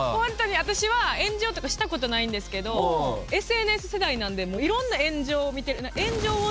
私は炎上とかしたことないんですけどＳＮＳ世代なんでいろんな炎上を見てる。